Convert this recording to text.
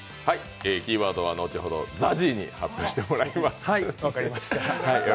キーワードは後ほどＺＡＺＹに発表してもらいます。